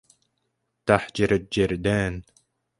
تهجر الجدران